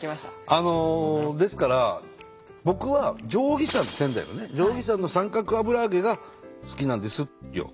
あのですから僕は定義山って仙台のね定義山の三角油揚げが好きなんですよ。